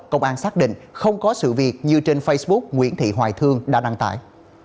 công an xác định không có sự việc như trên facebook nguyễn thị hoài thương đã đăng tải